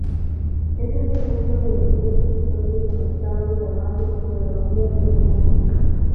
Es el segundo de tres episodios conectados llamados "Trilogía de los Monjes".